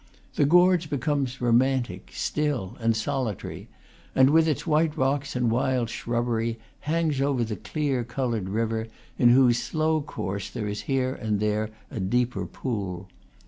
The gorge becomes romantic, still, and solitary, and, with its white rocks and wild shrubbery, hangs over the clear, colored river, in whose slow course there is here and there a deeper pool.